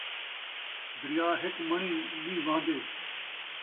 دریا ہک مݨی نئیں وہن٘دے